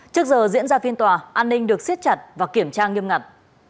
trước giờ diễn ra phiên tòa an ninh được siết chặt và kiểm tra nghiêm ngặt